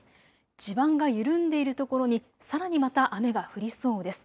地盤が緩んでいるところにさらにまた雨が降りそうです。